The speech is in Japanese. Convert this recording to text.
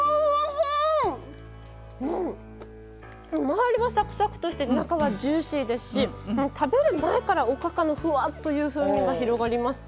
周りがサクサクとして中はジューシーですし食べる前からおかかのふわっという風味が広がります。